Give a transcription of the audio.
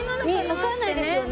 わかんないですよね。